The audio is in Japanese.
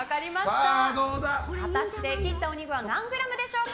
果たして切ったお肉は何グラムでしょうか。